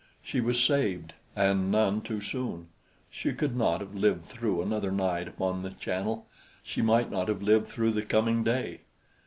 She was saved, and none too soon. She could not have lived through another night upon the Channel; she might not have lived through the coming day.